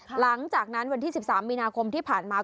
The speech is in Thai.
หลังจากนั้นวันที่๑๓มีนาคมที่ผ่านมา